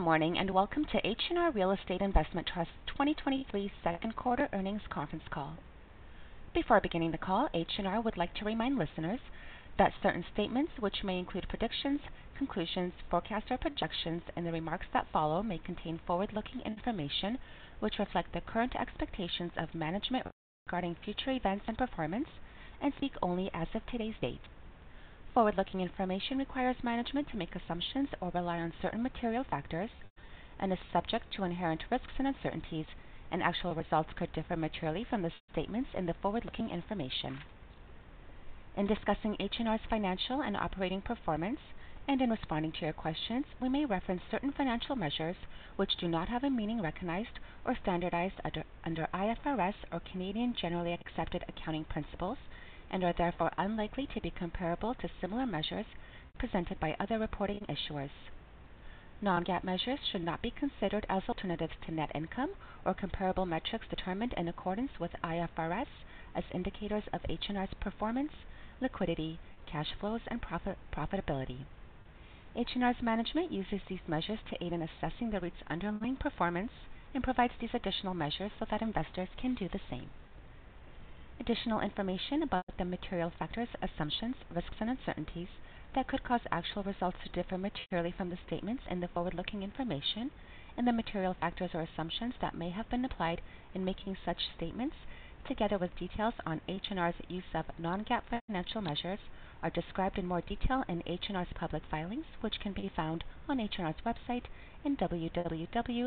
Good morning, and welcome to H&R Real Estate Investment Trust 2023 second quarter earnings conference call. Before beginning the call, H&R would like to remind listeners that certain statements, which may include predictions, conclusions, forecasts, or projections in the remarks that follow, may contain forward-looking information, which reflect the current expectations of management regarding future events and performance, and speak only as of today's date. Forward-looking information requires management to make assumptions or rely on certain material factors and is subject to inherent risks and uncertainties, and actual results could differ materially from the statements in the forward-looking information. In discussing H&R's financial and operating performance, and in responding to your questions, we may reference certain financial measures which do not have a meaning recognized or standardized under, under IFRS or Canadian generally accepted accounting principles, and are therefore unlikely to be comparable to similar measures presented by other reporting issuers. Non-GAAP measures should not be considered as alternatives to net income or comparable metrics determined in accordance with IFRS as indicators of H&R's performance, liquidity, cash flows, and profit- profitability. H&R's management uses these measures to aid in assessing the REIT's underlying performance and provides these additional measures so that investors can do the same. Additional information about the material factors, assumptions, risks, and uncertainties that could cause actual results to differ materially from the statements and the forward-looking information, and the material factors or assumptions that may have been applied in making such statements, together with details on H&R's use of non-GAAP financial measures, are described in more detail in H&R's public filings, which can be found on H&R's website and www.sedar.com.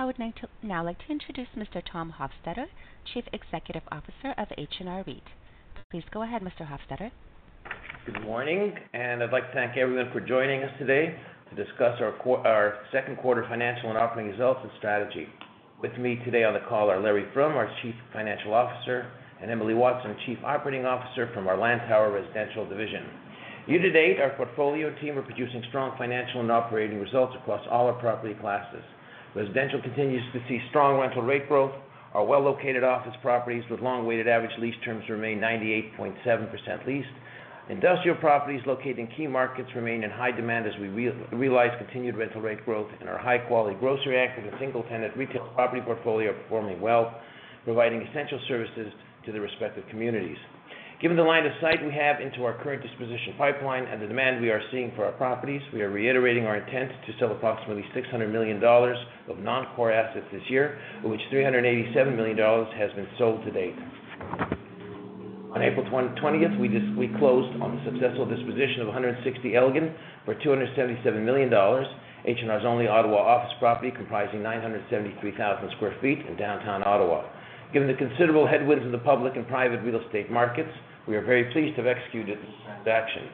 I would now like to introduce Mr. Thomas Hofstetter, Chief Executive Officer of H&R REIT. Please go ahead, Mr. Hofstetter. Good morning. I'd like to thank everyone for joining us today to discuss our second quarter financial and operating results and strategy. With me today on the call are Larry Froom, our Chief Financial Officer, and Emily Watson, Chief Operating Officer from our Lantower Residential Division. Year to date, our portfolio team are producing strong financial and operating results across all our property classes. Residential continues to see strong rental rate growth. Our well-located office properties with long-weighted average lease terms remain 98.7% leased. Industrial properties located in key markets remain in high demand as we realize continued rental rate growth, and our high-quality grocery anchors and single-tenant retail property portfolio are performing well, providing essential services to their respective communities. Given the line of sight we have into our current disposition pipeline and the demand we are seeing for our properties, we are reiterating our intent to sell approximately 600 million dollars of non-core assets this year, of which 387 million dollars has been sold to date. On April 1, 2020, we closed on the successful disposition of 160 Elgin for 277 million dollars, H&R's only Ottawa office property, comprising 973,000 sq ft in downtown Ottawa. Given the considerable headwinds in the public and private real estate markets, we are very pleased to have executed this transaction.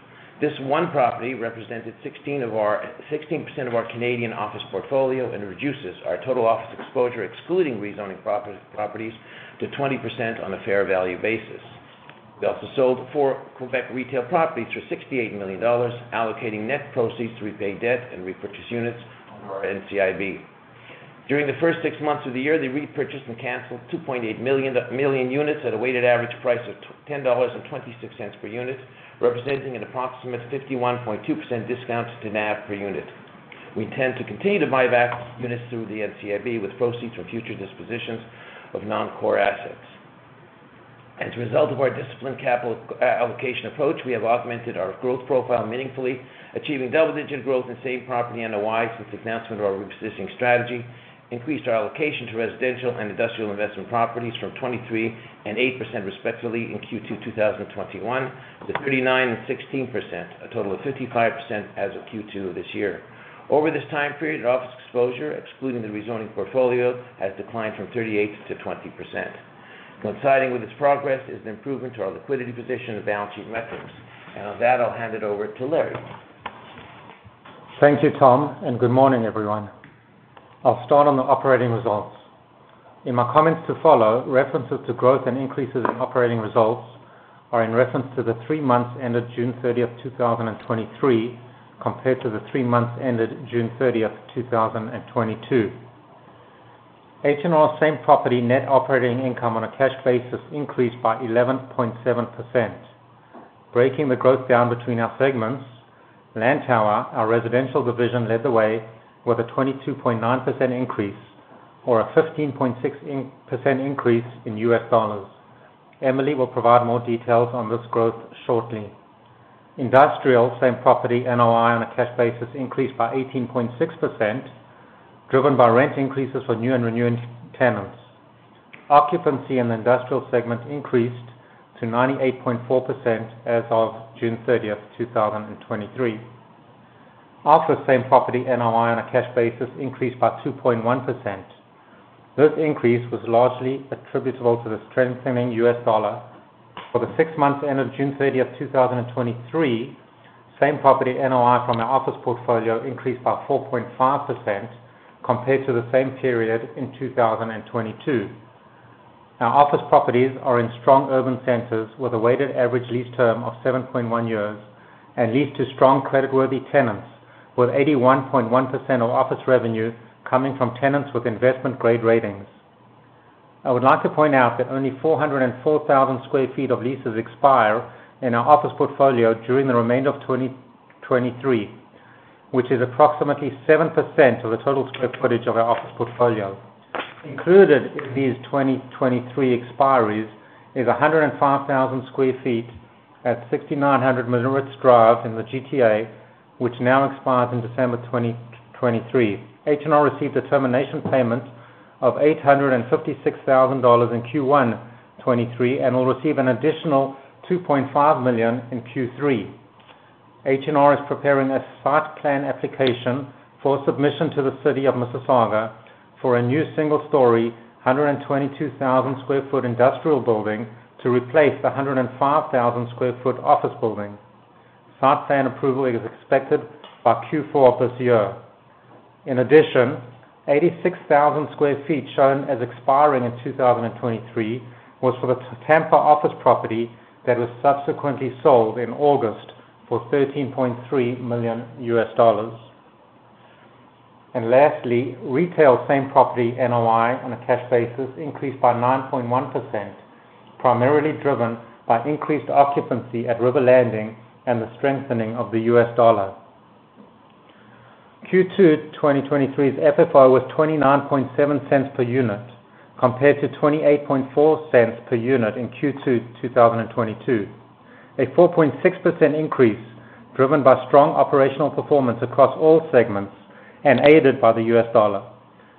This one property represented 16% of our Canadian office portfolio and reduces our total office exposure, excluding rezoning properties, to 20% on a fair value basis. We also sold four Quebec retail properties for 68 million dollars, allocating net proceeds to repay debt and repurchase units on our NCIB. During the first 6 months of the year, they repurchased and canceled 2.8 million units at a weighted average price of 10.26 dollars per unit, representing an approximate 51.2% discount to NAV per unit. We intend to continue to buy back units through the NCIB, with proceeds from future dispositions of non-core assets. As a result of our disciplined capital allocation approach, we have augmented our growth profile meaningfully, achieving double-digit growth in same property NOI since the announcement of our repositioning strategy, increased our allocation to residential and industrial investment properties from 23% and 8% respectively in Q2 2021, to 39% and 16%, a total of 55% as of Q2 this year. Over this time period, our office exposure, excluding the rezoning portfolio, has declined from 38 to 20%. Coinciding with this progress is an improvement to our liquidity position and balance sheet metrics. On that, I'll hand it over to Larry. Thank you, Tom. Good morning, everyone. I'll start on the operating results. In my comments to follow, references to growth and increases in operating results are in reference to the 3 months ended June 30, 2023, compared to the 3 months ended June 30, 2022. H&R same property net operating income on a cash basis increased by 11.7%. Breaking the growth down between our segments, Lantower, our residential division, led the way with a 22.9% increase or a 15.6% increase in U.S. dollars. Emily will provide more details on this growth shortly. Industrial same property NOI on a cash basis increased by 18.6%, driven by rent increases for new and renewing tenants. Occupancy in the industrial segment increased to 98.4% as of June 30th, 2023. Office same property NOI on a cash basis increased by 2.1%. This increase was largely attributable to the strengthening US dollar. For the 6 months ended June 30th, 2023, same property NOI from the office portfolio increased by 4.5% compared to the same period in 2022. Now, office properties are in strong urban centers with a weighted average lease term of 7.1 years and leased to strong creditworthy tenants, with 81.1% of office revenue coming from tenants with investment-grade ratings.... I would like to point out that only 404,000 sq ft of leases expire in our office portfolio during the remainder of 2023, which is approximately 7% of the total square footage of our office portfolio. Included in these 2023 expiries is 105,000 sq ft at 6900 Maritz Drive in the GTA, which now expires in December 2023. H&R received a termination payment of 856,000 dollars in Q1 2023, and will receive an additional 2.5 million in Q3. H&R is preparing a site plan application for submission to the City of Mississauga for a new single-story, 122,000 sq ft industrial building to replace the 105,000 sq ft office building. Site plan approval is expected by Q4 of this year. In addition, 86,000 sq ft shown as expiring in 2023, was for the Tampa office property that was subsequently sold in August for $13.3 million. Lastly, retail same property NOI on a cash basis increased by 9.1%, primarily driven by increased occupancy at River Landing and the strengthening of the US dollar. Q2 2023's FFO was $0.297 per unit, compared to $0.284 per unit in Q2 2022. A 4.6% increase, driven by strong operational performance across all segments and aided by the US dollar.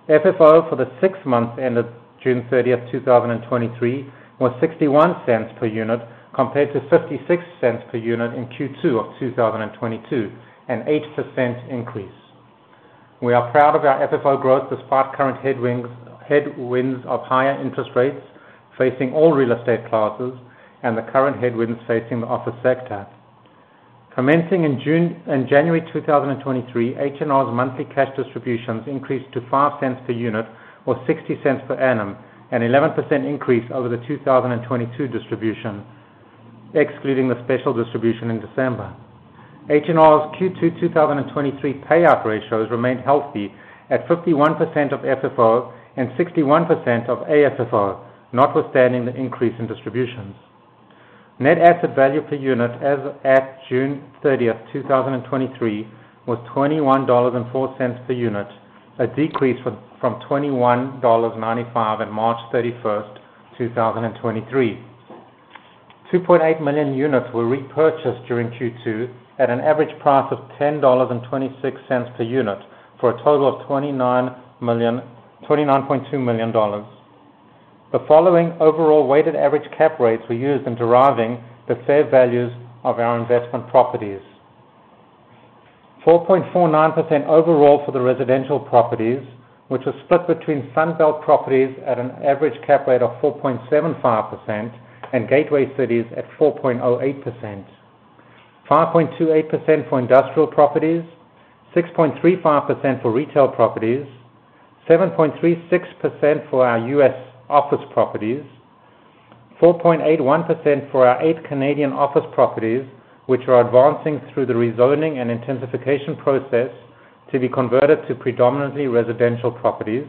FFO for the six months ended June 30th, 2023, was $0.61 per unit, compared to $0.56 per unit in Q2 of 2022, an 8% increase. We are proud of our FFO growth despite current headwinds, headwinds of higher interest rates facing all real estate classes and the current headwinds facing the office sector. Commencing in January 2023, H&R's monthly cash distributions increased to 0.05 per unit or 0.60 per annum, an 11% increase over the 2022 distribution, excluding the special distribution in December. H&R's Q2 2023 payout ratios remained healthy at 51% of FFO and 61% of AFFO, notwithstanding the increase in distributions. Net asset value per unit as at June 30, 2023, was 21.04 dollars per unit, a decrease from 21.95 dollars at March 31, 2023. 2.8 million units were repurchased during Q2 at an average price of 10.26 dollars per unit, for a total of 29.2 million dollars. The following overall weighted average cap rates were used in deriving the fair values of our investment properties. 4.49% overall for the residential properties, which was split between Sunbelt properties at an average cap rate of 4.75% and Gateway Cities at 4.08%. 5.28% for industrial properties, 6.35% for retail properties, 7.36% for our U.S. office properties, 4.81% for our eight Canadian office properties, which are advancing through the rezoning and intensification process to be converted to predominantly residential properties.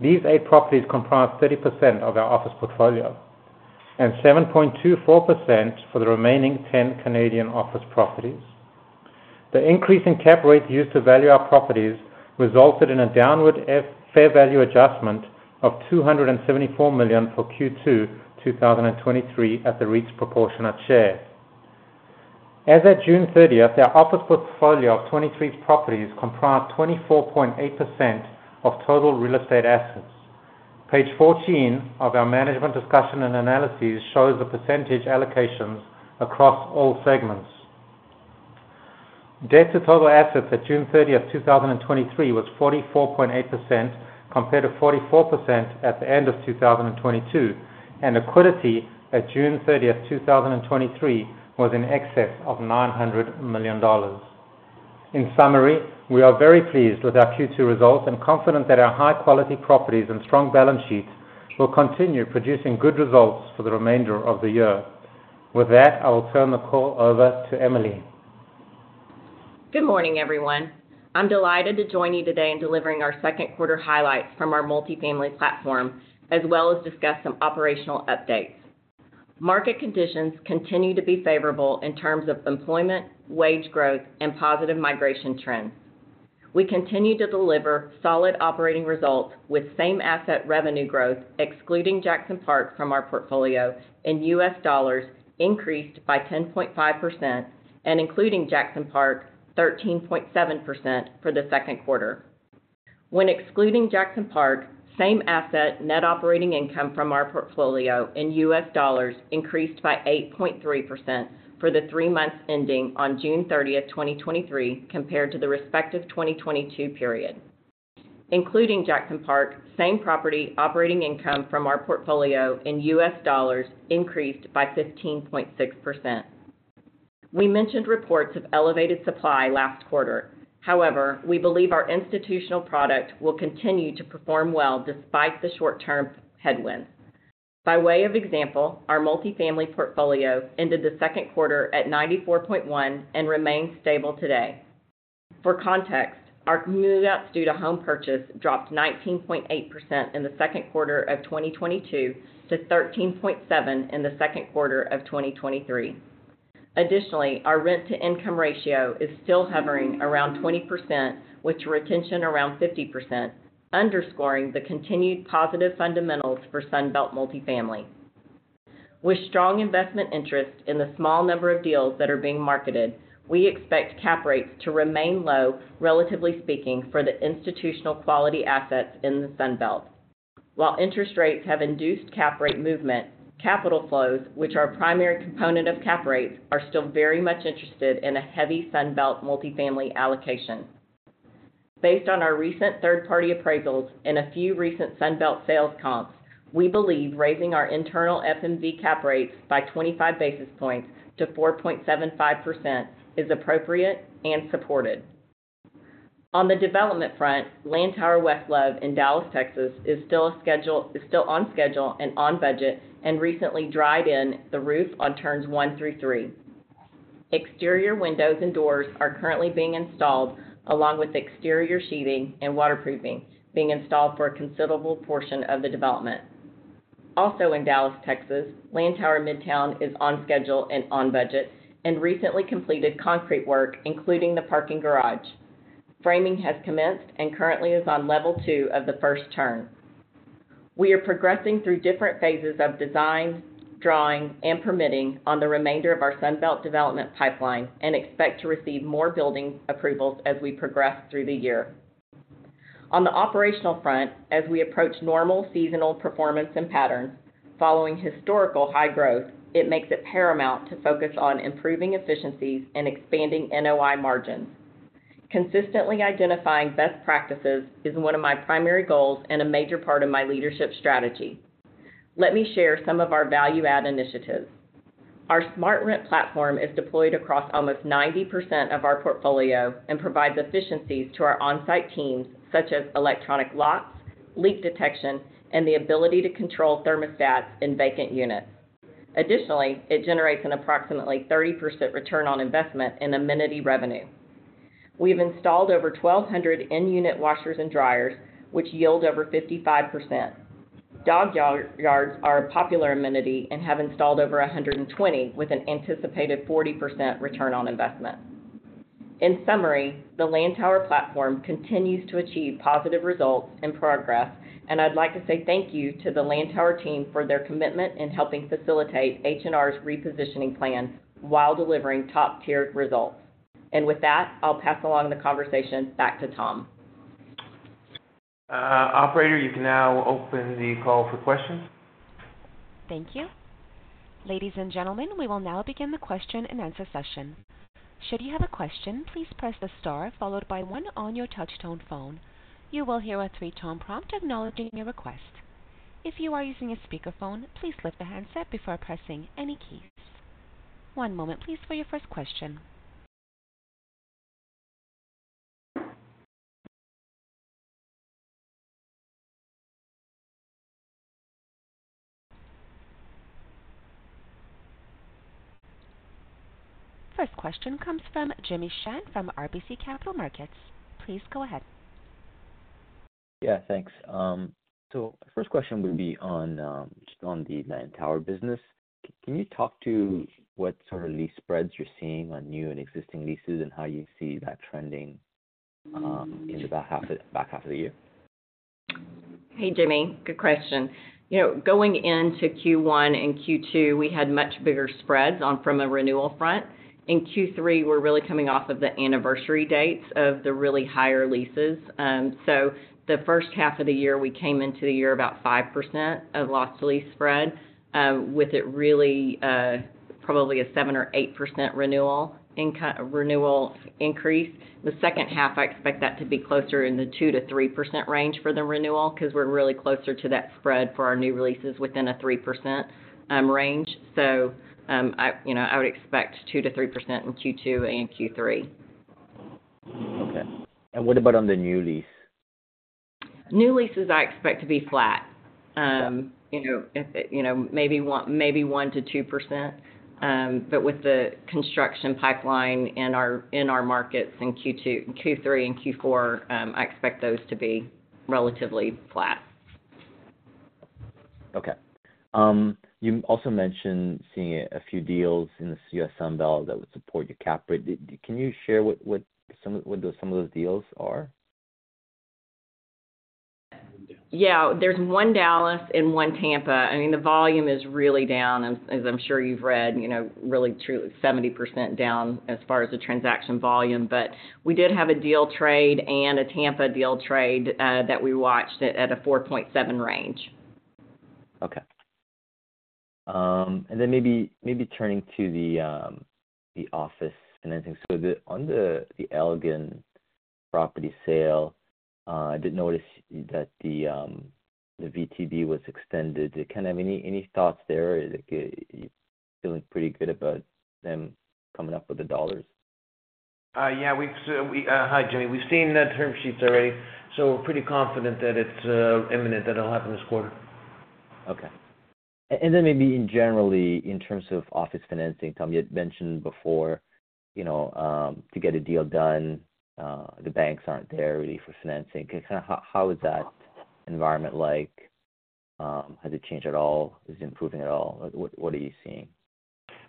These 8 properties comprise 30% of our office portfolio, and 7.24% for the remaining 10 Canadian office properties. The increase in cap rates used to value our properties resulted in a downward fair value adjustment of 274 million for Q2 2023 at the REIT's proportionate share. As at June 30th, our office portfolio of 23 properties comprised 24.8% of total real estate assets. Page 14 of our Management's Discussion and Analysis shows the percentage allocations across all segments. Debt to total assets at June 30th, 2023, was 44.8%, compared to 44% at the end of 2022, and liquidity at June 30th, 2023, was in excess of 900 million dollars. In summary, we are very pleased with our Q2 results and confident that our high-quality properties and strong balance sheet will continue producing good results for the remainder of the year. With that, I will turn the call over to Emily. Good morning, everyone. I'm delighted to join you today in delivering our second quarter highlights from our multifamily platform, as well as discuss some operational updates. Market conditions continue to be favorable in terms of employment, wage growth, and positive migration trends. We continue to deliver solid operating results with same asset revenue growth, excluding Jackson Park from our portfolio, and US dollars increased by 10.5%. Including Jackson Park, 13.7% for the second quarter. When excluding Jackson Park, same asset net operating income from our portfolio in US dollars increased by 8.3% for the 3 months ending on June 30, 2023, compared to the respective 2022 period. Including Jackson Park, same property operating income from our portfolio in US dollars increased by 15.6%. We mentioned reports of elevated supply last quarter. However, we believe our institutional product will continue to perform well despite the short-term headwinds. By way of example, our multifamily portfolio ended the second quarter at 94.1 and remains stable today...For context, our move-outs due to home purchase dropped 19.8% in the second quarter of 2022 to 13.7 in the second quarter of 2023. Additionally, our rent-to-income ratio is still hovering around 20%, with retention around 50%, underscoring the continued positive fundamentals for Sunbelt multifamily. With strong investment interest in the small number of deals that are being marketed, we expect cap rates to remain low, relatively speaking, for the institutional quality assets in the Sunbelt. While interest rates have induced cap rate movement, capital flows, which are a primary component of cap rates, are still very much interested in a heavy Sunbelt multifamily allocation. Based on our recent third-party appraisals and a few recent Sunbelt sales comps, we believe raising our internal FMV cap rates by 25 basis points to 4.75% is appropriate and supported. On the development front, Lantower West Love in Dallas, Texas, is still on schedule and on budget and recently dried in the roof on turns 1 through 3. Exterior windows and doors are currently being installed, along with exterior sheathing and waterproofing being installed for a considerable portion of the development. In Dallas, Texas, Lantower Midtown is on schedule and on budget and recently completed concrete work, including the parking garage. Framing has commenced and currently is on level 2 of the first turn. We are progressing through different phases of design, drawing, and permitting on the remainder of our Sunbelt development pipeline and expect to receive more building approvals as we progress through the year. On the operational front, as we approach normal seasonal performance and patterns following historical high growth, it makes it paramount to focus on improving efficiencies and expanding NOI margins. Consistently identifying best practices is one of my primary goals and a major part of my leadership strategy. Let me share some of our value add initiatives. Our SmartRent platform is deployed across almost 90% of our portfolio and provides efficiencies to our on-site teams, such as electronic locks, leak detection, and the ability to control thermostats in vacant units. Additionally, it generates an approximately 30% return on investment in amenity revenue. We've installed over 1,200 in-unit washers and dryers, which yield over 55%. Dog yards, yards are a popular amenity and have installed over 120, with an anticipated 40% return on investment. In summary, the Lantower platform continues to achieve positive results and progress, and I'd like to say thank you to the Lantower team for their commitment in helping facilitate H&R's repositioning plan while delivering top-tier results. With that, I'll pass along the conversation back to Tom. Operator, you can now open the call for questions. Thank you. Ladies and gentlemen, we will now begin the question-and-answer session. Should you have a question, please press the star followed by 1 on your touch-tone phone. You will hear a 3-tone prompt acknowledging your request. If you are using a speakerphone, please lift the handset before pressing any keys. One moment, please, for your first question. First question comes from Jimmy Shan from RBC Capital Markets. Please go ahead. Yeah, thanks. First question would be on, just on the Lantower business. Can you talk to what sort of lease spreads you're seeing on new and existing leases, and how you see that trending, in the back half, back half of the year? Hey, Jimmy, good question. You know, going into Q1 and Q2, we had much bigger spreads on from a renewal front. In Q3, we're really coming off of the anniversary dates of the really higher leases. The first half of the year, we came into the year about 5% of loss lease spread, with it really, probably a 7% or 8% renewal increase. The second half, I expect that to be closer in the 2%-3% range for the renewal, because we're really closer to that spread for our new releases within a 3% range. I, you know, I would expect 2%-3% in Q2 and Q3. Okay. What about on the new lease? New leases, I expect to be flat. You know, if it, you know, maybe one, maybe 1%-2%. With the construction pipeline in our, in our markets in Q2, Q3, and Q4, I expect those to be relatively flat. Okay. You also mentioned seeing a few deals in the U.S. Sunbelt that would support your cap rate. Can you share what, what some of, what those, some of those deals are? Yeah. There's 1 Dallas and 1 Tampa. I mean, the volume is really down, as, as I'm sure you've read, you know, really truly 70% down as far as the transaction volume. We did have a deal trade and a Tampa deal trade, that we watched at a 4.7 range. Okay. Maybe, maybe turning to the office and anything. The, on the, the Eglinton property sale, I did notice that the VTB was extended. Kind of any, any thoughts there? Like, you feeling pretty good about them coming up with the dollars? Yeah, Hi, Jimmy. We've seen the term sheets already, we're pretty confident that it's imminent, that it'll happen this quarter. Okay. Then maybe in generally, in terms of office financing, Tom, you had mentioned before, you know, to get a deal done, the banks aren't there really for financing. Can, how, how is that environment like? Has it changed at all? Is it improving at all? What, what are you seeing?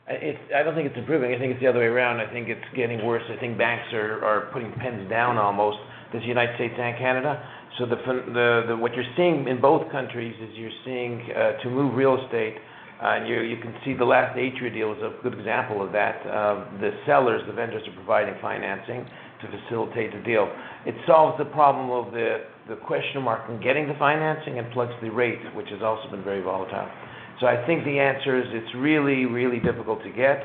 I don't think it's improving. I think it's the other way around. I think it's getting worse. I think banks are, are putting pens down almost, this United States and Canada. The what you're seeing in both countries is you're seeing to move real estate, and you, you can see the last Atria deal is a good example of that. The sellers, the vendors, are providing financing to facilitate the deal. It solves the problem of the, the question mark in getting the financing and plus the rate, which has also been very volatile. I think the answer is it's really, really difficult to get.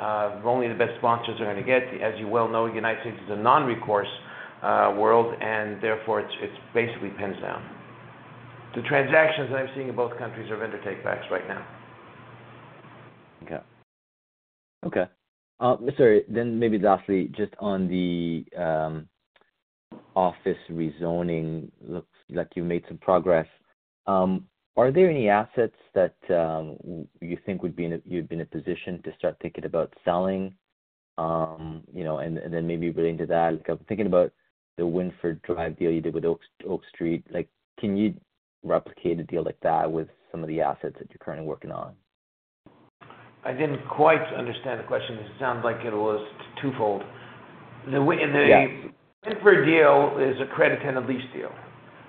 Only the best sponsors are gonna get. As you well know, United States is a non-recourse world, and therefore, it's, it's basically pens down. The transactions I'm seeing in both countries are vendor takebacks right now. Okay. Okay, sorry, then maybe lastly, just on the office rezoning. Looks like you made some progress. Are there any assets that you think would be in a, you'd be in a position to start thinking about selling? You know, and then maybe relating to that, like, I'm thinking about the Wynford Drive deal you did with Oaks, Oak Street. Like, can you replicate a deal like that with some of the assets that you're currently working on? I didn't quite understand the question. It sounds like it was twofold. Yeah. The Winford deal is a credit tenant lease deal.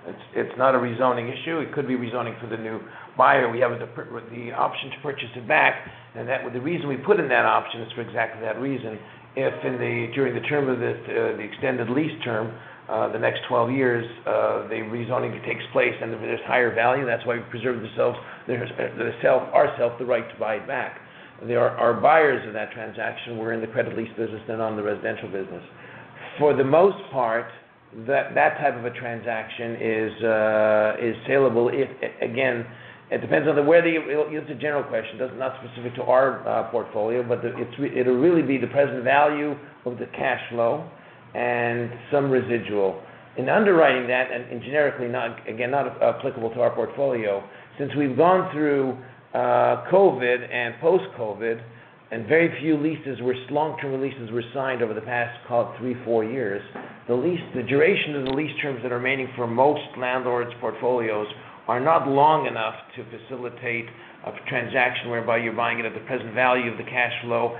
It's, it's not a rezoning issue. It could be rezoning for the new buyer. We have the option to purchase it back, and that. The reason we put in that option is for exactly that reason. If in the, during the term of the extended lease term, the next 12 years, the rezoning takes place, and there's higher value, that's why we preserve ourselves, the self, our self the right to buy it back. Our buyers of that transaction were in the credit lease business than on the residential business. For the most part, that, that type of a transaction is saleable if, again, it depends on the whether you. It's a general question, not specific to our portfolio, but it's, it'll really be the present value of the cash flow and some residual. In underwriting that, and, generically, not, again, not applicable to our portfolio, since we've gone through COVID and post-COVID, and very few leases were long-term leases were signed over the past, call it, three, four years, the lease, the duration of the lease terms that are remaining for most landlords' portfolios are not long enough to facilitate a transaction whereby you're buying it at the present value of the cash flow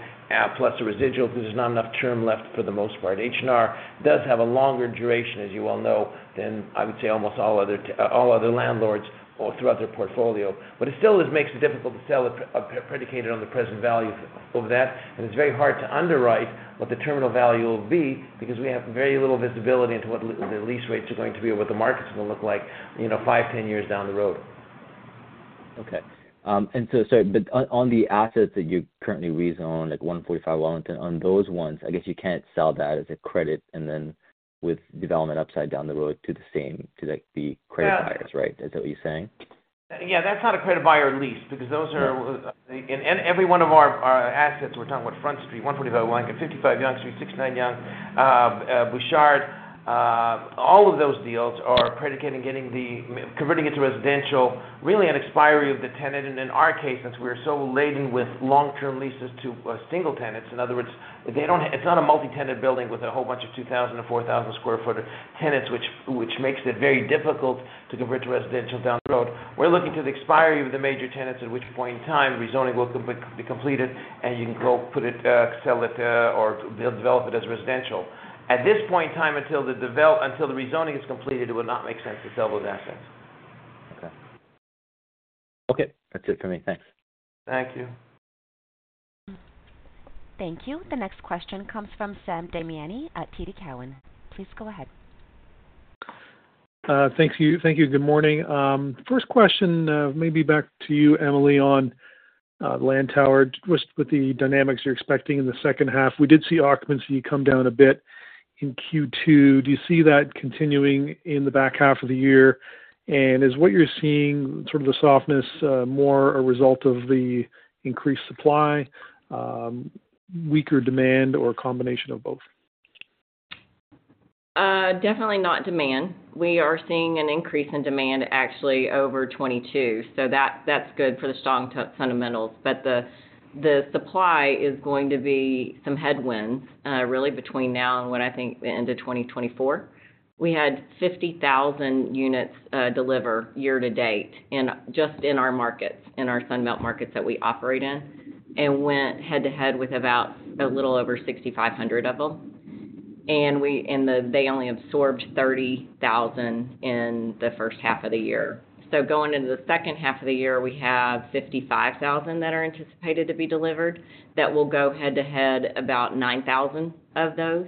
plus the residual, because there's not enough term left for the most part. H&R does have a longer duration, as you well know, than I would say, almost all other landlords all throughout their portfolio. It still is makes it difficult to sell it, predicated on the present value of that. It's very hard to underwrite what the terminal value will be, because we have very little visibility into what the lease rates are going to be or what the market is gonna look like, you know, 5, 10 years down the road. Okay. Sorry, but on, on the assets that you currently rezone, like 145 Wellington, on those ones, I guess you can't sell that as a credit, and then with development upside down the road to the same, to, like, the credit buyers, right? Yeah. Is that what you're saying? Yeah, that's not a credit buyer lease, because those are in every one of our, our assets, we're talking about Front Street, 125 Wellington, 55 Yonge Street, 69 Yonge, Bouchard, all of those deals are predicated in getting the, converting into residential, really on expiry of the tenant. In our case, since we're so laden with long-term leases to single tenants, in other words, they don't have. It's not a multi-tenant building with a whole bunch of 2,000 to 4,000 square footer tenants, which, which makes it very difficult to convert to residential down the road. We're looking to the expiry of the major tenants, at which point in time, rezoning will be completed, and you can go put it, sell it, or develop it as residential. At this point in time, until the rezoning is completed, it would not make sense to sell those assets. Okay. Okay, that's it for me. Thanks. Thank you. Thank you. The next question comes from Sam Damiani at TD Cowen. Please go ahead. Thank you. Thank you, good morning. First question, maybe back to you, Emily, on Lantower. Just with the dynamics you're expecting in the second half, we did see occupancy come down a bit in Q2. Do you see that continuing in the back half of the year? Is what you're seeing, sort of the softness, more a result of the increased supply, weaker demand, or a combination of both? Definitely not demand. We are seeing an increase in demand actually over 2022, that's good for the strong fundamentals. The supply is going to be some headwinds, really between now and what I think the end of 2024. We had 50,000 units deliver year to date, in, just in our markets, in our Sunbelt markets that we operate in, and went head-to-head with about a little over 6,500 of them. They only absorbed 30,000 in the first half of the year. Going into the second half of the year, we have 55,000 that are anticipated to be delivered. That will go head-to-head about 9,000 of those.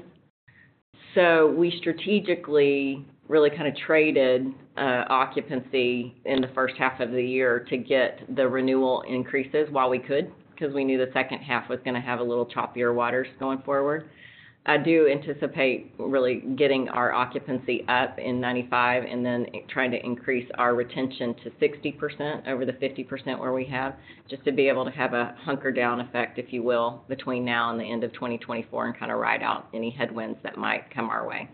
We strategically really kind of traded, occupancy in the first half of the year to get the renewal increases while we could, because we knew the second half was gonna have a little choppier waters going forward. I do anticipate really getting our occupancy up in 95 and then trying to increase our retention to 60% over the 50% where we have, just to be able to have a hunker down effect, if you will, between now and the end of 2024 and kind of ride out any headwinds that might come our way.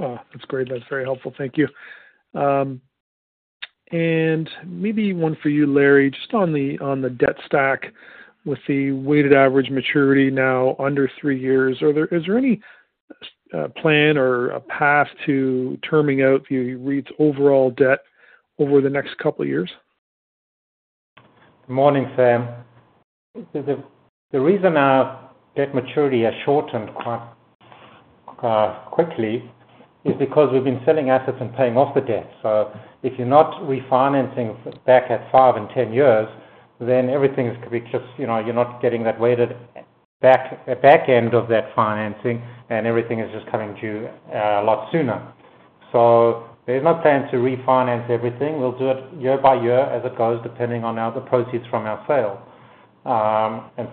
Oh, that's great. That's very helpful. Thank you. Maybe one for you, Larry, just on the, on the debt stack with the weighted average maturity now under 3 years, is there any plan or a path to terming out the REIT's overall debt over the next 2 years? Morning, Sam. The reason our debt maturity has shortened quite quickly is because we've been selling assets and paying off the debt. If you're not refinancing back at 5 and 10 years, then everything is going to be just, you know, you're not getting that weighted back, back end of that financing, and everything is just coming due a lot sooner. There's no plan to refinance everything. We'll do it year by year as it goes, depending on how the proceeds from our sale.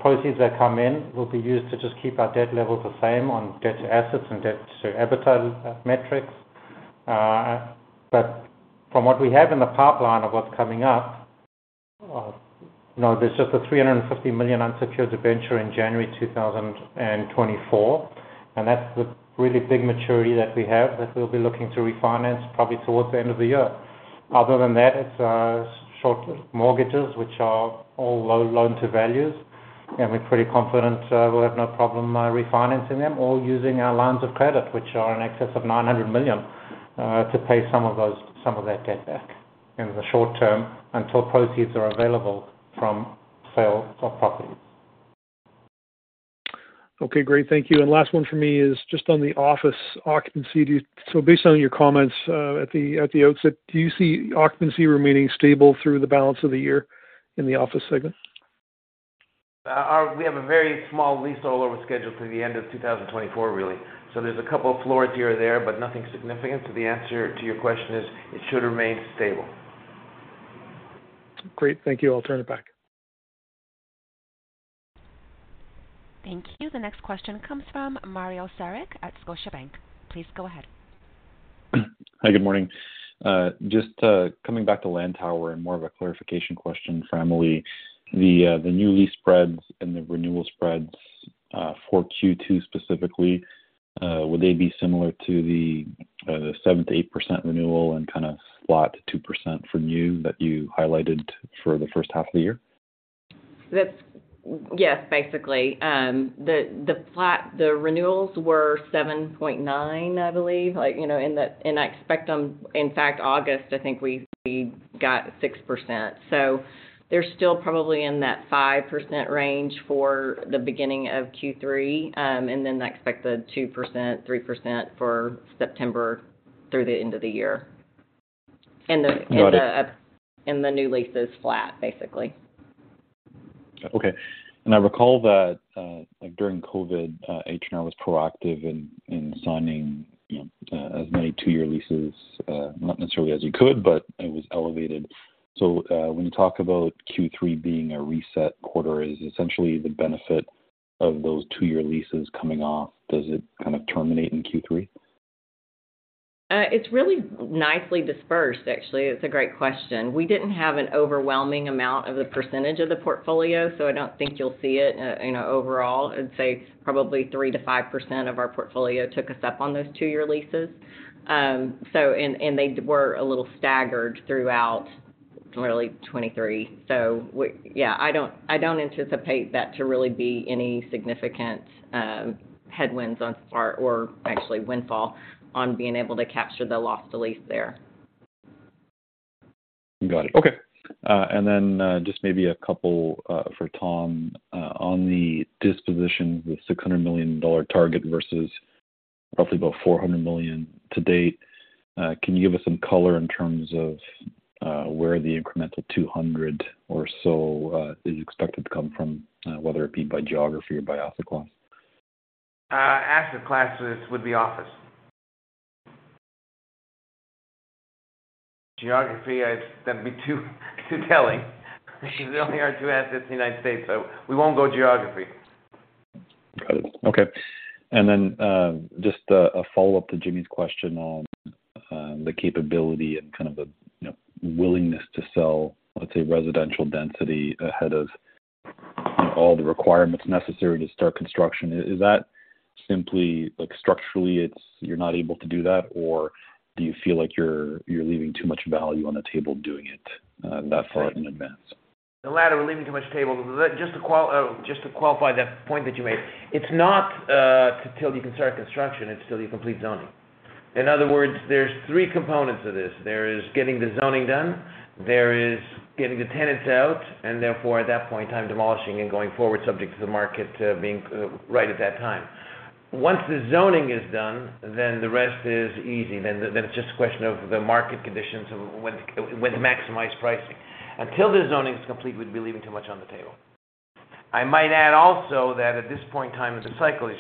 Proceeds that come in will be used to just keep our debt levels the same on debt to assets and debt to EBITDA metrics. From what we have in the pipeline of what's coming up, you know, there's just a 350 million unsecured debenture in January 2024, and that's the really big maturity that we have, that we'll be looking to refinance probably towards the end of the year. Other than that, it's short mortgages, which are all low loan to values, and we're pretty confident, we'll have no problem, refinancing them or using our lines of credit, which are in excess of 900 million, to pay some of those, some of that debt back in the short term, until proceeds are available from sale of properties. Okay, great. Thank you. Last one for me is just on the office occupancy. Based on your comments, at the, at the outset, do you see occupancy remaining stable through the balance of the year in the office segment? We have a very small lease rollover schedule through the end of 2024, really. There's a couple of floors here or there, but nothing significant. The answer to your question is, it should remain stable. Great. Thank you. I'll turn it back. Thank you. The next question comes from Mario Saric at Scotiabank. Please go ahead. Hi, good morning. Just coming back to Lantower and more of a clarification question for Emily. The new lease spreads and the renewal spreads for Q2 specifically, would they be similar to the 7%-8% renewal and kind of flat 2% from you, that you highlighted for the first half of the year? Yes, basically. The renewals were 7.9, I believe. Like, you know, and I expect them, in fact, August, I think we, we got 6%. They're still probably in that 5% range for the beginning of Q3, and then I expect the 2%, 3% for September through the end of the year. Got it. The new lease is flat, basically. Okay. I recall that, like, during COVID, H&R was proactive in, in signing, you know, as many two-year leases, not necessarily as you could, but it was elevated. When you talk about Q3 being a reset quarter, is essentially the benefit of those two-year leases coming off, does it kind of terminate in Q3? It's really nicely dispersed, actually. It's a great question. We didn't have an overwhelming amount of the percentage of the portfolio, so I don't think you'll see it. you know, overall, I'd say probably 3%-5% of our portfolio took us up on those 2-year leases. they were a little staggered throughout really 2023. we yeah, I don't, I don't anticipate that to really be any significant, headwinds on our, or actually windfall, on being able to capture the loss to lease there. Got it. Okay, then, just maybe a couple, for Tom. On the disposition, the 600 million dollar target versus roughly about 400 million to date, can you give us some color in terms of, where the incremental 200 or so, is expected to come from, whether it be by geography or by asset class? Asset class, this would be office. Geography, that'd be too, too telling. We only are 2 assets in the United States. We won't go geography. Got it. Okay. Just a, a follow-up to Jimmy's question on the capability and kind of the, you know, willingness to sell, let's say, residential density ahead of, you know, all the requirements necessary to start construction. Is that simply, like, structurally, you're not able to do that, or do you feel like you're, you're leaving too much value on the table doing it? That thought in advance. The latter, we're leaving too much table. Just to qual, just to qualify that point that you made, it's not, till you can start construction, it's till you complete zoning. In other words, there's three components of this. There is getting the zoning done, there is getting the tenants out, therefore, at that point in time, demolishing and going forward, subject to the market, being, right at that time. Once the zoning is done, then the rest is easy. Then, it's just a question of the market conditions and when to, when to maximize pricing. Until the zoning is complete, we'd be leaving too much on the table. I might add also that at this point in time of the cycle, as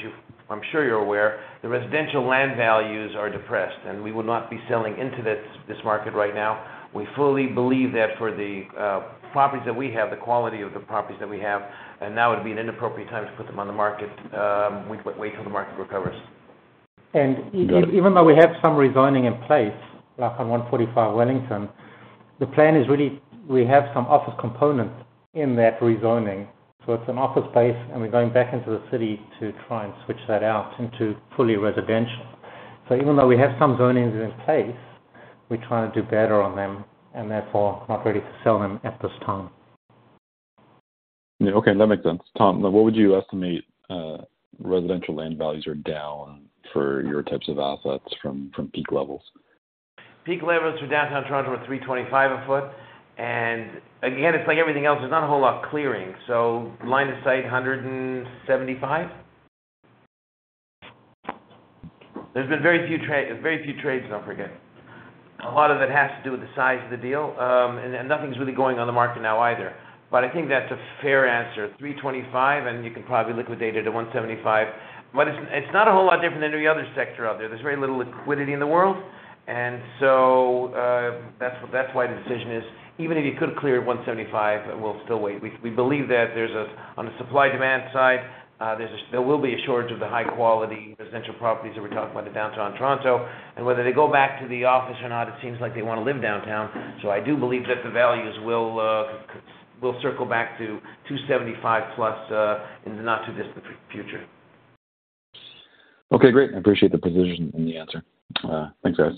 I'm sure you're aware, the residential land values are depressed, we would not be selling into this, this market right now. We fully believe that for the properties that we have, the quality of the properties that we have, now would be an inappropriate time to put them on the market. We'd wait till the market recovers. And. Got it. Even though we have some rezoning in place, like on 145 Wellington. The plan is really, we have some office components in that rezoning. It's an office space, and we're going back into the city to try and switch that out into fully residential. Even though we have some zonings in place, we're trying to do better on them, and therefore, not ready to sell them at this time. Yeah. Okay, that makes sense. Tom, what would you estimate, residential land values are down for your types of assets from peak levels? Peak levels for downtown Toronto are 325 a foot. Again, it's like everything else, there's not a whole lot clearing. Line of sight, 175. There's been very few trades, don't forget. A lot of it has to do with the size of the deal, and nothing's really going on the market now either. I think that's a fair answer, 325, and you can probably liquidate it at 175. It's not a whole lot different than any other sector out there. There's very little liquidity in the world, so that's why the decision is, even if you could clear at 175, we'll still wait. We, we believe that there's on the supply-demand side, there will be a shortage of the high-quality residential properties that we're talking about in downtown Toronto. Whether they go back to the office or not, it seems like they wanna live downtown. I do believe that the values will circle back to 275 plus in the not too distant future. Okay, great. I appreciate the position and the answer. Thanks, guys.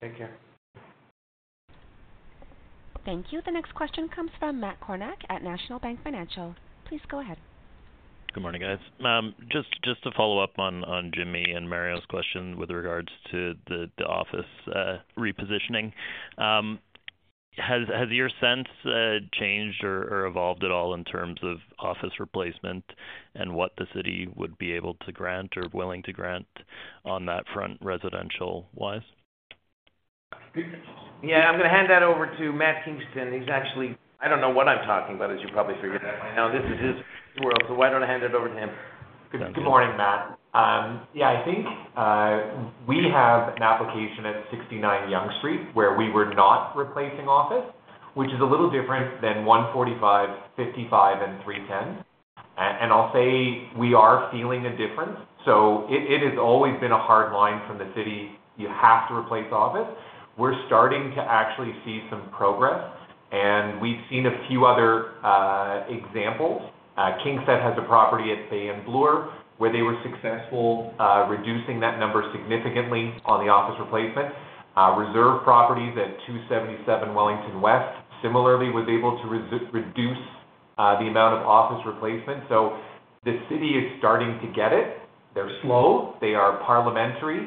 Take care. Thank you. The next question comes from Matt Kornack at National Bank Financial. Please go ahead. Good morning, guys. Just to follow up on Jimmy and Mario's question with regards to the office repositioning. Has your sense changed or evolved at all in terms of office replacement and what the city would be able to grant or willing to grant on that front, residential wise? Yeah, I'm gonna hand that over to Matthew Kingston. He's actually, I don't know what I'm talking about, as you probably figured out by now. This is his world, so why don't I hand it over to him? Good morning, Matt. Yeah, I think, we have an application at 69 Yonge Street, where we were not replacing office, which is a little different than 145, 55, and 310. I'll say we are feeling a difference. It, it has always been a hard line from the city, you have to replace office. We're starting to actually see some progress, we've seen a few other, examples. KingSett has a property at Bay and Bloor, where they were successful, reducing that number significantly on the office replacement. Reserve Properties at 277 Wellington West similarly was able to reduce, the amount of office replacement. The city is starting to get it. They're slow, they are parliamentary,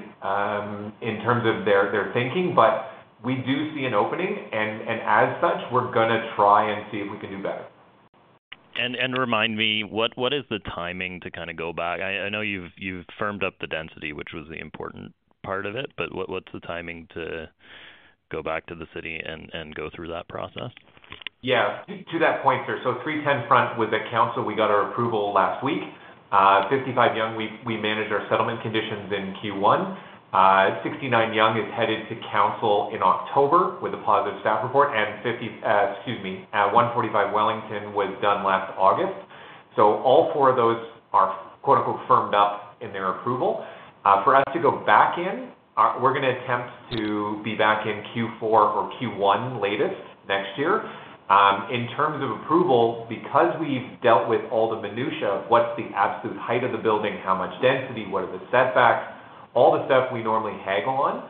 in terms of their, their thinking, but we do see an opening, and as such, we're gonna try and see if we can do better. Remind me, what is the timing to kind of go back? I know you've firmed up the density, which was the important part of it, but what's the timing to go back to the city and go through that process? Yeah. To that point, 310 Front with the council, we got our approval last week. 55 Yonge, we managed our settlement conditions in Q1. 69 Yonge is headed to council in October with a positive staff report, 145 Wellington was done last August. All 4 of those are quote, unquote, "firmed up" in their approval. For us to go back in, we're gonna attempt to be back in Q4 or Q1 latest, next year. In terms of approval, because we've dealt with all the minutiae of what's the absolute height of the building, how much density, what are the setbacks, all the stuff we normally haggle on,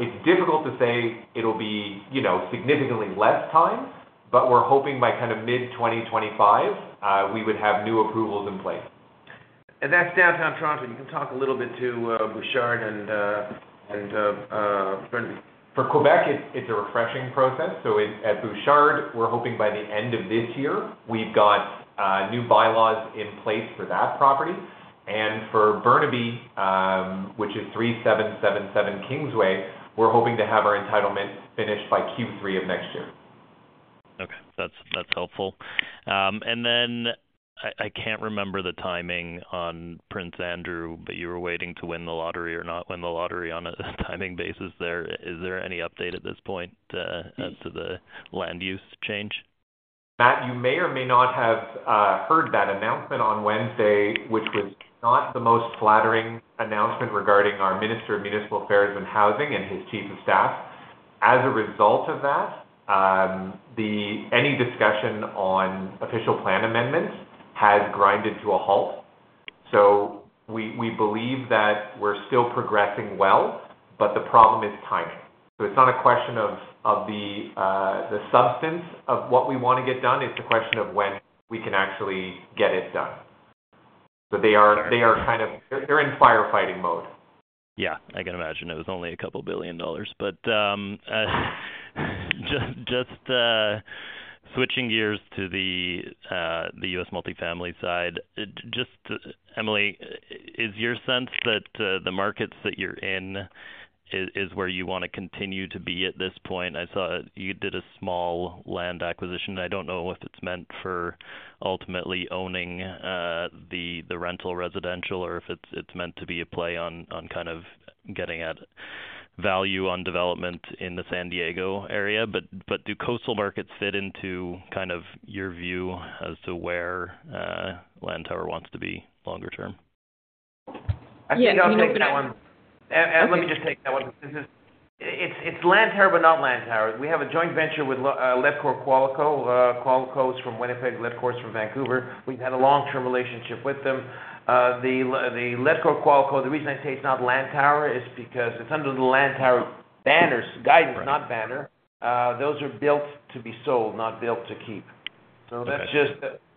it's difficult to say it'll be, you know, significantly less time, but we're hoping by kind of mid-2025, we would have new approvals in place. That's downtown Toronto. You can talk a little bit to, Bouchard and, and, Burnaby. For Quebec, it's, it's a refreshing process. At, at Bouchard, we're hoping by the end of this year, we've got new bylaws in place for that property. For Burnaby, which is 3777 Kingsway, we're hoping to have our entitlement finished by Q3 of next year. Okay. That's, that's helpful. Then I, I can't remember the timing on Prince Andrew, but you were waiting to win the lottery or not win the lottery on a timing basis there. Is there any update at this point as to the land use change? Matt, you may or may not have heard that announcement on Wednesday, which was not the most flattering announcement regarding our Minister of Municipal Affairs and Housing and his chief of staff. As a result of that, any discussion on Official Plan Amendments has grinded to a halt. We, we believe that we're still progressing well, but the problem is timing. It's not a question of, of the substance of what we want to get done, it's a question of when we can actually get it done. They are. Got it. They are kind of. They're in firefighting mode. Yeah, I can imagine. It was only CAD 2 billion. Just switching gears to the US multifamily side. Just, Emily, is your sense that the markets that you're in is, is where you want to continue to be at this point? I saw you did a small land acquisition. I don't know if it's meant for ultimately owning the rental residential, or if it's, it's meant to be a play on, on kind of getting at value on development in the San Diego area. But do coastal markets fit into kind of your view as to where Lantower wants to be longer term? I think I'll take that one. Let me just take that one. This is, it's, it's Lantower, not Lantower. We have a joint venture with Ledcor, Qualico. Qualico is from Winnipeg, Ledcor is from Vancouver. We've had a long-term relationship with them. The Ledcor, Qualico, the reason I say it's not Lantower is because it's under the Lantower banners, guidance, not banner. Those are built to be sold, not built to keep. Okay.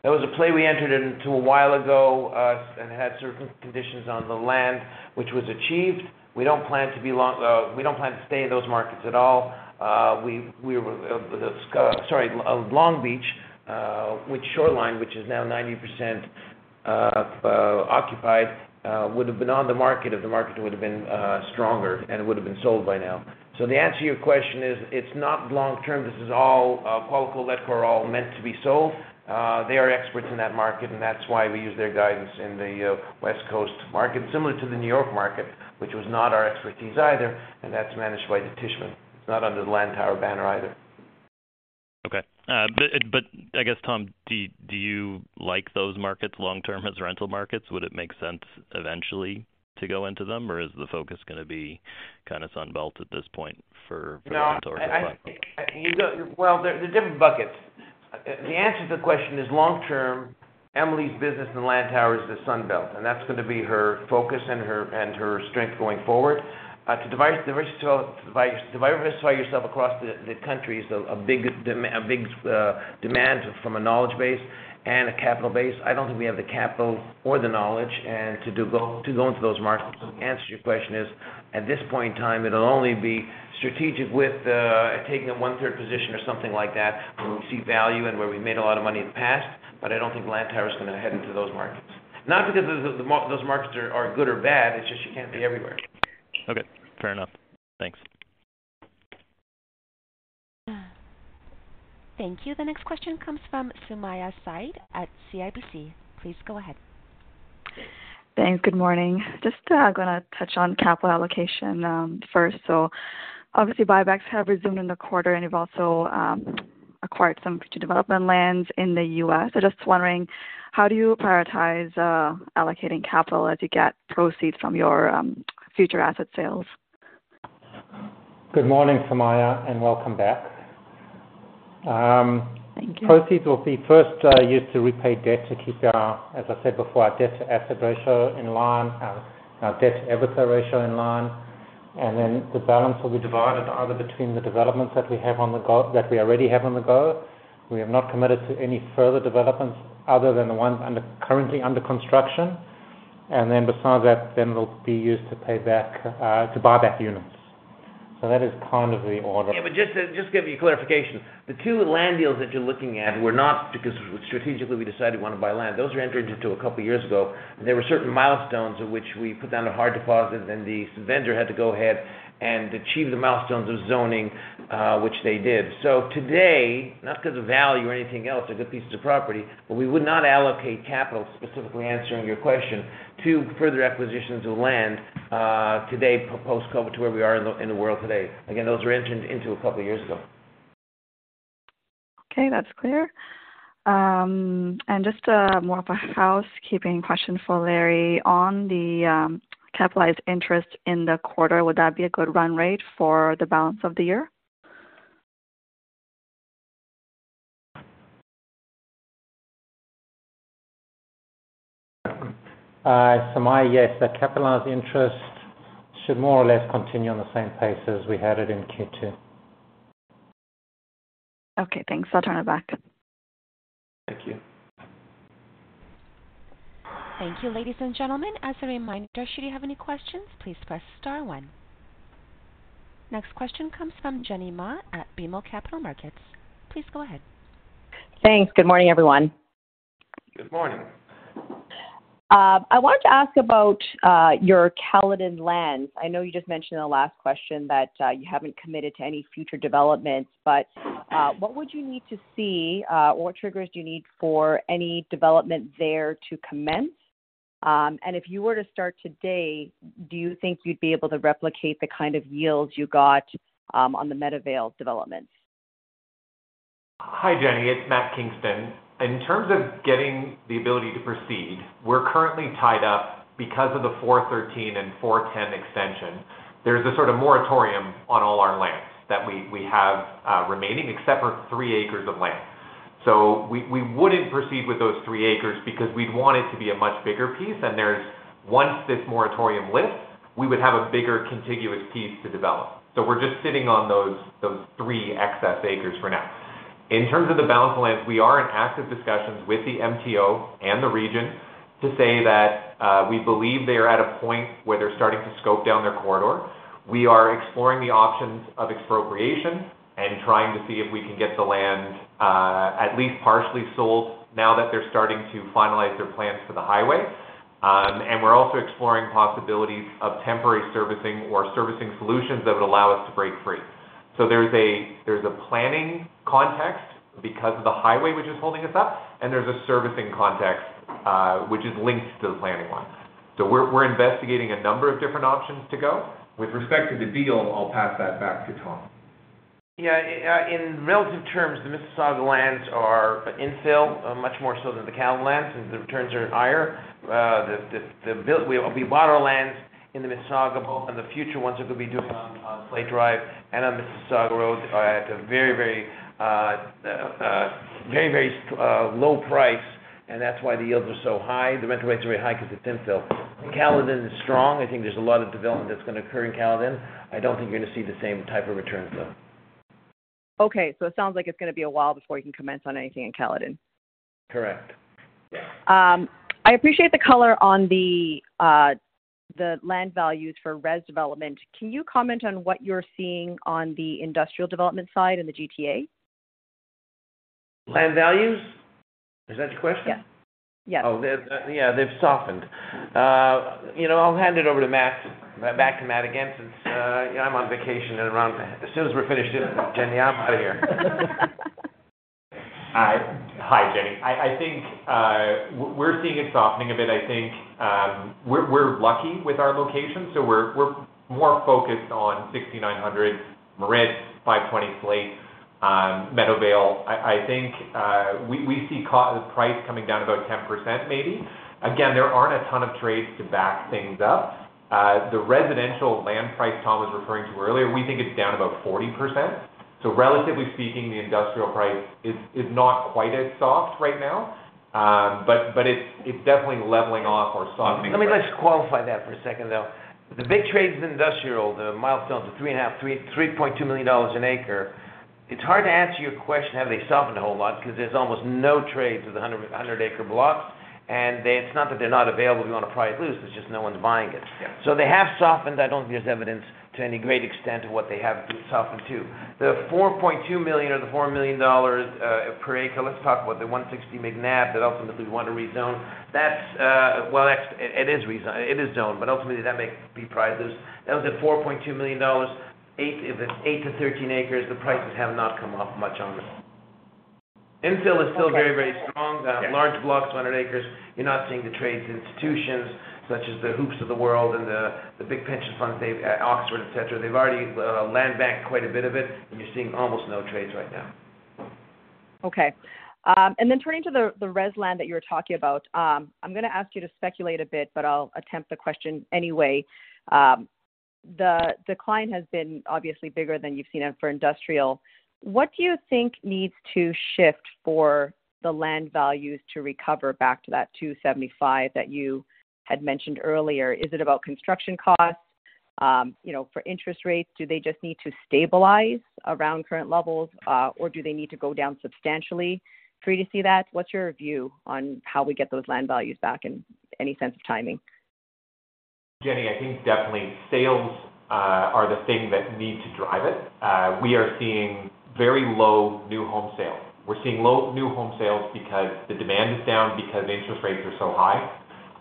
That was a play we entered into a while ago, and had certain conditions on the land, which was achieved. We don't plan to be long, we don't plan to stay in those markets at all. We, we were, sorry, Long Beach, with Shoreline, which is now 90% occupied, would have been on the market if the market would have been stronger and it would have been sold by now. The answer to your question is, it's not long-term. This is all, Qualico, Ledcor, are all meant to be sold. They are experts in that market, and that's why we use their guidance in the West Coast market. Similar to the New York market, which was not our expertise either, and that's managed by the Tishman. It's not under the Lantower banner either. Okay. I guess, Tom, do, do you like those markets long-term as rental markets? Would it make sense eventually to go into them, or is the focus gonna be kind of Sunbelt at this point for- No. for rental? Well, they're different buckets. The answer to the question is long-term, Emily's business and Lantower is the Sunbelt, and that's going to be her focus and her strength going forward. To diversify yourself across the country is a big demand from a knowledge base and a capital base. I don't think we have the capital or the knowledge, and to go into those markets. The answer to your question is, at this point in time, it'll only be strategic with taking a one-third position or something like that, where we see value and where we made a lot of money in the past. I don't think Lantower is going to head into those markets. Not because those, those markets are, are good or bad, it's just you can't be everywhere. Okay, fair enough. Thanks. Thank you. The next question comes from Sumayya Syed at CIBC. Please go ahead. Thanks. Good morning. Just gonna touch on capital allocation first. Obviously, buybacks have resumed in the quarter, and you've also acquired some future development lands in the U.S. Just wondering, how do you prioritize allocating capital as you get proceeds from your future asset sales? Good morning, Sumayya, and welcome back. Thank you. Proceeds will be first used to repay debt to keep our, as I said before, our debt-to-asset ratio in line. Our debt-to-equity ratio in line. The balance will be divided either between the developments that we have on the go, that we already have on the go. We have not committed to any further developments other than the ones under, currently under construction. Besides that, then will be used to pay back to buy back units. That is kind of the order. Just to, just give you clarification, the two land deals that you're looking at were not because strategically we decided we want to buy land. Those were entered into a couple of years ago, and there were certain milestones in which we put down a hard deposit, and the vendor had to go ahead and achieve the milestones of zoning, which they did. Today, not because of value or anything else, they're good pieces of property, but we would not allocate capital, specifically answering your question, to further acquisitions of land, today, post COVID, to where we are in the world today. Again, those were entered into a couple of years ago. Okay, that's clear. Just, more of a housekeeping question for Larry. On the capitalized interest in the quarter, would that be a good run rate for the balance of the year? Sumayya, yes, the capitalized interest should more or less continue on the same pace as we had it in Q2. Okay, thanks. I'll turn it back. Thank you. Thank you, ladies and gentlemen. As a reminder, should you have any questions, please press Star One. Next question comes from Jenny Ma at BMO Capital Markets. Please go ahead. Thanks. Good morning, everyone. Good morning. I wanted to ask about your Caledon lands. I know you just mentioned in the last question that you haven't committed to any future developments, what would you need to see, what triggers do you need for any development there to commence? If you were to start today, do you think you'd be able to replicate the kind of yields you got on the Meadowvale developments? Hi, Jenny, it's Matthew Kingston. In terms of getting the ability to proceed, we're currently tied up because of the 413 and 410 extension. There's a sort of moratorium on all our lands that we, we have remaining, except for three acres of land. We, we wouldn't proceed with those three acres because we'd want it to be a much bigger piece. Once this moratorium lifts, we would have a bigger contiguous piece to develop. We're just sitting on those, those three excess acres for now. In terms of the balance lands, we are in active discussions with the MTO and the region to say that we believe they are at a point where they're starting to scope down their corridor. We are exploring the options of expropriation and trying to see if we can get the land, at least partially sold now that they're starting to finalize their plans for the highway. We're also exploring possibilities of temporary servicing or servicing solutions that would allow us to break free. There's a, there's a planning context because of the highway, which is holding us up, and there's a servicing context, which is linked to the planning one. We're, we're investigating a number of different options to go. With respect to the deal, I'll pass that back to Tom. Yeah, in relative terms, the Mississauga lands are infill, much more so than the Caledon lands, and the returns are higher. The, the, the build- we, we bought our lands in the Mississauga, and the future ones that we'll be doing on, on Slate Drive and on Mississauga Road are at a very, very, very, very, low price, and that's why the yields are so high. The rental rates are very high because it's infill. Caledon is strong. I think there's a lot of development that's gonna occur in Caledon. I don't think you're gonna see the same type of returns, though. Okay, it sounds like it's gonna be a while before you can commence on anything in Caledon. Correct. Yeah. I appreciate the color on the land values for res development. Can you comment on what you're seeing on the industrial development side in the GTA? Land values? Is that your question? Yeah. Yes. Oh, they're, yeah, they've softened. You know, I'll hand it over to Matt, back to Matt again, since, you know, I'm on vacation, as soon as we're finished here, Jenny, I'm out of here. Hi. Hi, Jenny. I, I think, we're seeing it softening a bit. I think, we're, we're lucky with our location, so we're, we're more focused on 6,900 red, 520 Slate, Meadowvale. I, I think, we, we see price coming down about 10%, maybe. Again, there aren't a ton of trades to back things up. The residential land price Tom was referring to earlier, we think it's down about 40%. Relatively speaking, the industrial price is, is not quite as soft right now. It's, it's definitely leveling off or softening. Let me just qualify that for a second, though. The big trades in industrial, the milestones are $3.5 million, $3 million, $3.2 million an acre. It's hard to answer your question, have they softened a whole lot? Because there's almost no trades with 100, 100 acre blocks. It's not that they're not available if you want to pry it loose, it's just no one's buying it. Yeah. They have softened. I don't think there's evidence to any great extent of what they have softened to. The $4.2 million or the $4 million per acre. Let's talk about the 160 McNab that ultimately we want to rezone. That's. Well, actually, it, it is rezoned, it is zoned, but ultimately that may be prices. That was at $4.2 million, 8, it's 8-13 acres. The prices have not come off much on this. Infill is still very, very strong. Yeah. Large blocks, 200 acres, you're not seeing the trades, institutions such as the HOOPP of the world and the, the big pension funds, they've, Oxford, et cetera. They've already land bank quite a bit of it. You're seeing almost no trades right now. Okay. Turning to the, the res land that you were talking about, I'm gonna ask you to speculate a bit, but I'll attempt the question anyway. The decline has been obviously bigger than you've seen it for industrial. What do you think needs to shift for the land values to recover back to that 275 that you had mentioned earlier? Is it about construction costs? You know, for interest rates, do they just need to stabilize around current levels, or do they need to go down substantially for you to see that? What's your view on how we get those land values back and any sense of timing? Jenny, I think definitely sales are the thing that need to drive it. We are seeing very low new home sales. We're seeing low new home sales because the demand is down, because interest rates are so high.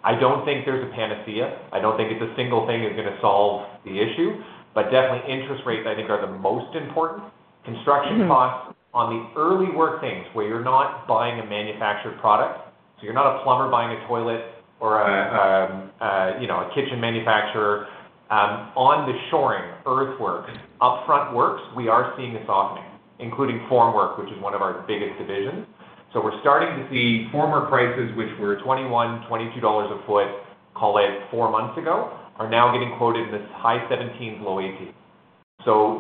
I don't think there's a panacea. I don't think it's a single thing that's gonna solve the issue. Definitely interest rates, I think, are the most important. Mm-hmm. Construction costs on the early work things, where you're not buying a manufactured product, so you're not a plumber buying a toilet or a, you know, a kitchen manufacturer. On the shoring, earthwork, upfront works, we are seeing a softening, including formwork, which is one of our biggest divisions. We're starting to see formwork prices, which were $21-$22 a foot, call it four months ago, are now getting quoted in the high 17s, low 18s.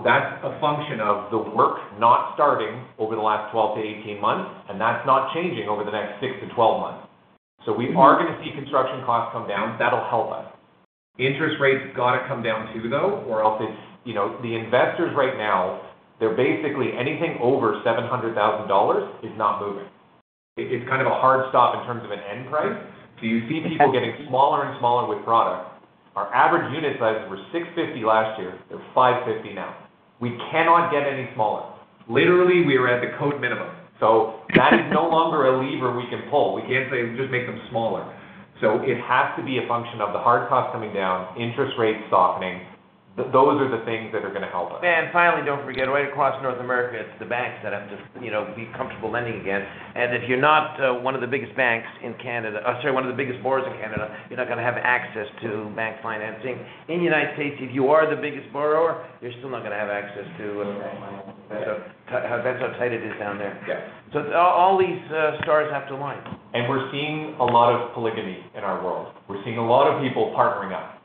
That's a function of the work not starting over the last 12-18 months, and that's not changing over the next 6-12 months. Mm-hmm. We are gonna see construction costs come down. That'll help us. Interest rates have got to come down too, though, or else it's. You know, the investors right now, they're basically anything over $700,000 is not moving. It's kind of a hard stop in terms of an end price. Okay. You see people getting smaller and smaller with product. Our average unit sizes were 650 last year. They're 550 now. We cannot get any smaller. Literally, we are at the code minimum. That is no longer a lever we can pull. We can't say just make them smaller. It has to be a function of the hard costs coming down, interest rates softening. Those are the things that are gonna help us. Finally, don't forget, right across North America, it's the banks that have to, you know, be comfortable lending again. If you're not, one of the biggest banks in Canada, sorry, one of the biggest borrowers in Canada, you're not gonna have access to bank financing. In the United States, if you are the biggest borrower, you're still not gonna have access to bank financing. Yeah. That's how tight it is down there. Yeah. All, all these, stars have to align. And we're seeing a lot of polygamy in our world. We're seeing a lot of people partnering up,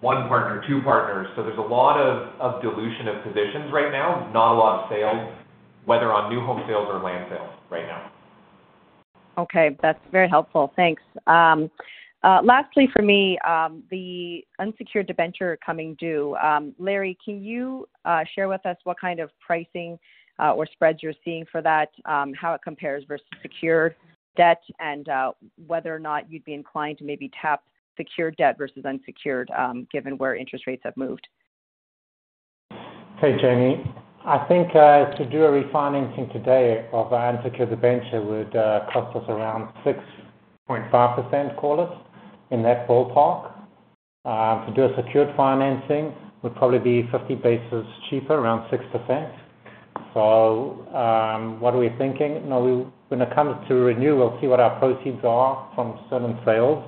1 partner, 2 partners. there's a lot of, of dilution of positions right now, not a lot of sales, whether on new home sales or land sales right now. Okay. That's very helpful. Thanks. Lastly, for me, the unsecured debenture coming due. Larry, can you share with us what kind of pricing or spreads you're seeing for that, how it compares versus secure debt, and whether or not you'd be inclined to maybe tap secure debt versus unsecured, given where interest rates have moved? Hey, Jenny. I think to do a refinancing today of our unsecured debenture would cost us around 6.5%, call it, in that ballpark. To do a secured financing would probably be 50 basis cheaper, around 6%. What are we thinking? Now, we when it comes to renew, we'll see what our proceeds are from certain sales.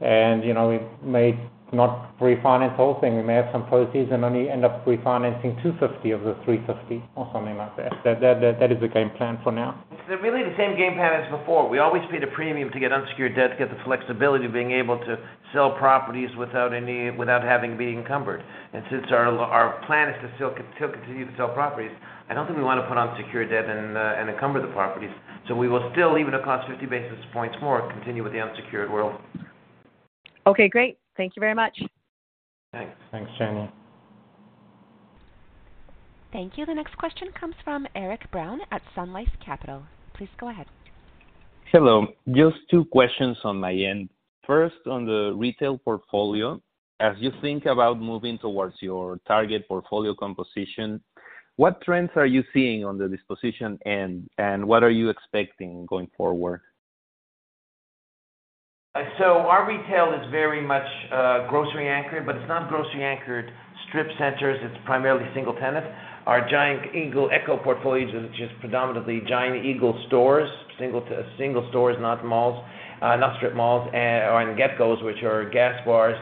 You know, we may not pre-finance all, and we may have some proceeds and only end up pre-financing 250 of the 350 or something like that. That, that, that is the game plan for now. It's really the same game plan as before. We always pay the premium to get unsecured debt, to get the flexibility of being able to sell properties without having to be encumbered. Since our, our plan is to still continue to sell properties, I don't think we want to put on secured debt and encumber the properties. We will still, even across 50 basis points more, continue with the unsecured world. Okay, great. Thank you very much. Thanks. Thanks, Jenny. Thank you. The next question comes from Eric Brown at Sun Life Capital. Please go ahead. Hello. Just 2 questions on my end. First, on the retail portfolio, as you think about moving towards your target portfolio composition, what trends are you seeing on the disposition, and what are you expecting going forward? Our retail is very much grocery anchored, but it's not grocery anchored strip centers. It's primarily single tenant. Our Giant Eagle/ECHO portfolio, which is predominantly Giant Eagle stores, single stores, not malls, not strip malls, and GetGo, which are gas bars,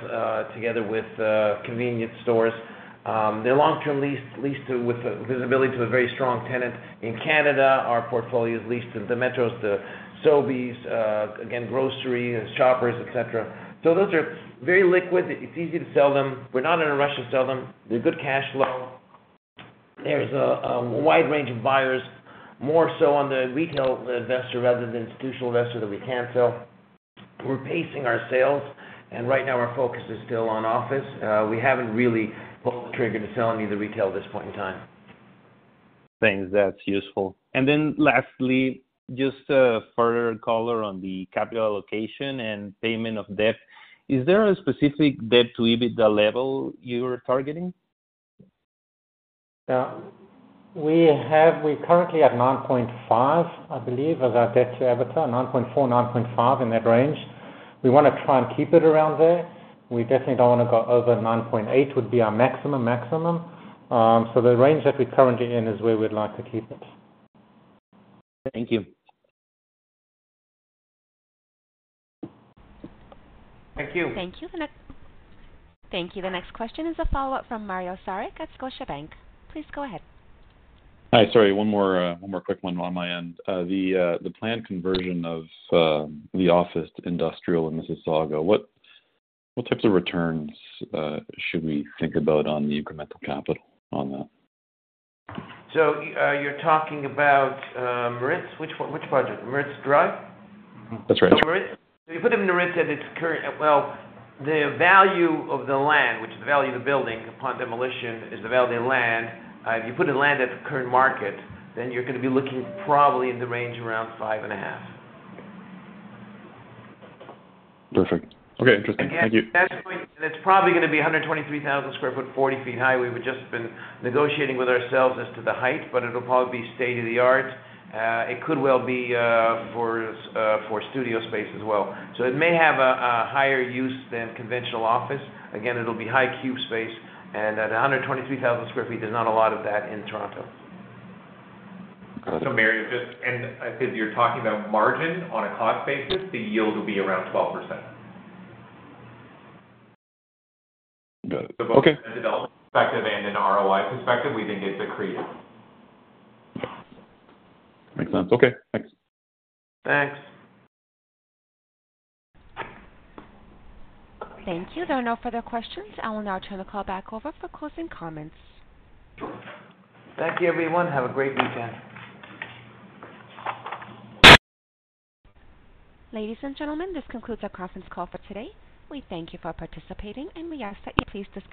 together with convenience stores. They're long-term leased, leased to with visibility to a very strong tenant. In Canada, our portfolio is leased to the Metros, the Sobeys, again, grocery, Shoppers, et cetera. Those are very liquid. It's easy to sell them. We're not in a rush to sell them. They're good cash flow. There's a wide range of buyers, more so on the retail investor rather than institutional investor that we can sell. We're pacing our sales, and right now our focus is still on office. We haven't really pulled the trigger to sell any of the retail at this point in time. Thanks. That's useful. Then lastly, just further color on the capital allocation and payment of debt. Is there a specific debt to EBITDA level you're targeting? Yeah. We're currently at 9.5, I believe, as our debt to EBITDA, 9.4, 9.5 in that range. We want to try and keep it around there. We definitely don't want to go over 9.8, would be our maximum, maximum. The range that we're currently in is where we'd like to keep it. Thank you. Thank you. Thank you. Thank you. The next question is a follow-up from Mario Saric at Scotiabank. Please go ahead. Hi. Sorry, one more, one more quick one on my end. The planned conversion of the office to industrial in Mississauga, what, what types of returns should we think about on the incremental capital on that? You're talking about, Merit. Which one, which project? Maritz Drive? That's right. Merit. You put it in the Merit at its current, the value of the land, which is the value of the building upon demolition, is the value of the land. If you put the land at the current market, then you're going to be looking probably in the range around 5.5. Perfect. Okay, interesting. Thank you. That's probably going to be 123,000 sq ft, 40 feet high. We've just been negotiating with ourselves as to the height, but it'll probably be state-of-the-art. It could well be for studio space as well. It may have a higher use than conventional office. Again, it'll be high cube space, and at 123,000 sq ft, there's not a lot of that in Toronto. Got it. Mario, just, and if you're talking about margin on a cost basis, the yield will be around 12%. Got it. Okay. From a development perspective and an ROI perspective, we think it's accretive. Makes sense. Okay, thanks. Thanks. Thank you. There are no further questions. I will now turn the call back over for closing comments. Thank you, everyone. Have a great weekend. Ladies and gentlemen, this concludes our conference call for today. We thank you for participating, and we ask that you please disconnect.